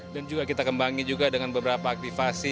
dan juga kita kembangi juga dengan beberapa aktivasi